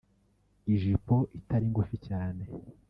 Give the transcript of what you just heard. Ijipo itari ngufi cyane